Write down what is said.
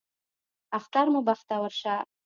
اختر مو بختور شه